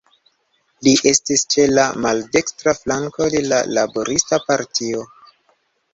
Li estis ĉe la maldekstra flanko de la Laborista Partio.